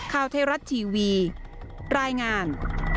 ข้าวเทราะต์ทีวีรายงาน